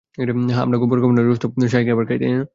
হ্যাঁ আমরা গোবর খাবো না, রোজ তো শাহী খাবার খাই তাই না?